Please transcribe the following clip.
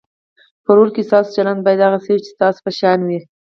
په رول کې ستاسو چلند باید هغه څه وي چې ستاسو په شان وي.